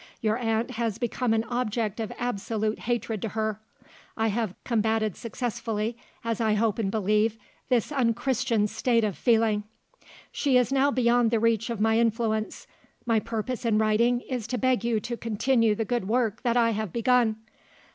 Your aunt has become an object of absolute hatred to her. I have combated successfully, as I hope and believe this unchristian state of feeling. "She is now beyond the reach of my influence. My purpose in writing is to beg you to continue the good work that I have begun.